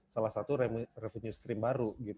salah satu revenue stream baru